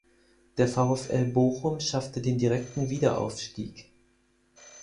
Der VfL Bochum schaffte den direkten Wiederaufstieg.